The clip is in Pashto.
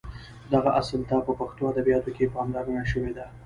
دغه اصل ته په پښتو ادبیاتو کې پاملرنه شوې ده.